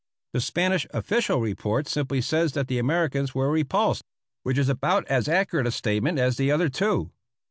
The Spanish official report simply says that the Americans were repulsed; which is about as accurate a statement as the other two.